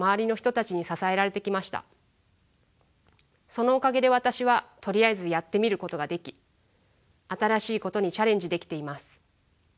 そのおかげで私はとりあえずやってみることができ新しいことにチャレンジできています。